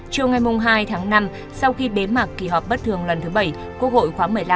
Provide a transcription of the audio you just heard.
chiều ngày hai tháng năm sau khi bế mạc kỳ họp bất thường lần thứ bảy quốc hội khóa một mươi năm